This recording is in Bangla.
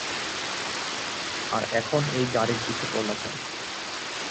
আর এখন এই গাড়ির পিছে পড়লা কেন?